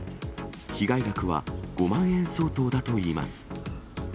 被害額は５万円相当だといいます。